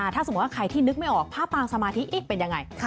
ถ้าสมมุติว่าใครที่นึกไม่ออกผ้าปางสมาธิเป็นยังไง